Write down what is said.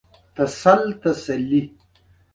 ساري بل ټکټ به درکړم.